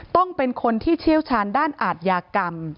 ต้องเป็นคนที่เชี่ยวชาญด้านอาทยากรรม